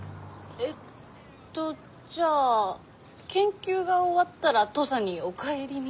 えっとじゃあ研究が終わったら土佐にお帰りに？